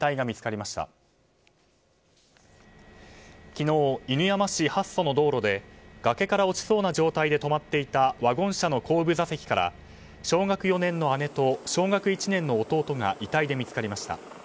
昨日、犬山市八曽の道路で崖から落ちそうな状態で止まっていたワゴン車の後部座席から小学４年の姉と小学１年の弟が遺体で見つかりました。